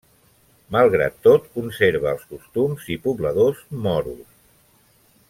Malgrat tot conserva els costums i pobladors moros.